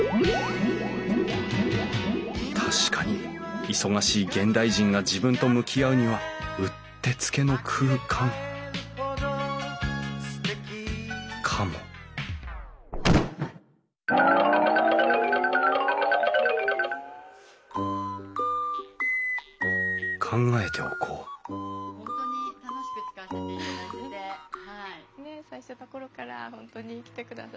確かに忙しい現代人が自分と向き合うにはうってつけの空間かも考えておこう最初の頃から本当に来てくださっていつも感謝です。